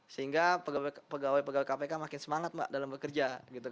sehingga pegawai pegawai kpk makin semangat dalam bekerja